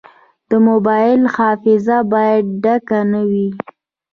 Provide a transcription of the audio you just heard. د موبایل حافظه باید ډکه نه وي.